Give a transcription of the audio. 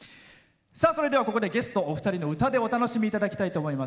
それでは、ここでゲスト２人の歌でお楽しみいただきたいと思います。